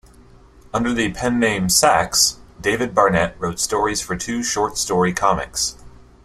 Under the pen name "Sax", David Barnett wrote stories for two short story comics.